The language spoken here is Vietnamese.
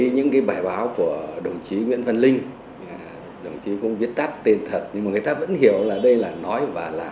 những bài báo của đồng chí nguyễn văn linh đồng chí cũng viết tắt tên thật nhưng mà người ta vẫn hiểu là đây là nói và là